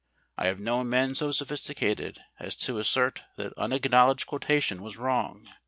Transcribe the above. I have known men so sophisticated as to assert that unacknowledged quotation was wrong.